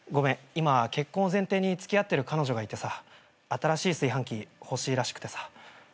今結婚を前提に付き合ってる彼女がいてさ新しい炊飯器欲しいらしくてさ。